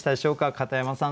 片山さん